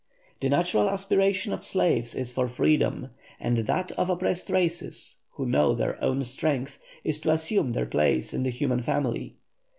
The natural aspiration of slaves is for freedom, and that of oppressed races who know their own strength is to assume their place in the human family.